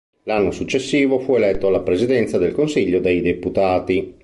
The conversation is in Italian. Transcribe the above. L'anno successivo fu eletto alla presidenza del consiglio dei deputati.